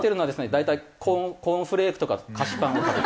大体コーンフレークとか菓子パンを食べてますね。